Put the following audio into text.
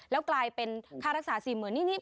แล้วกลายเป็นค่ารักษาสี่หมื่นนี่